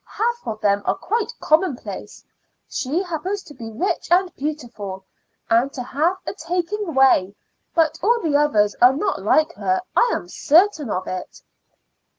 "Half of them are quite commonplace. She happens to be rich and beautiful, and to have a taking way; but all the others are not like her, I am certain of it."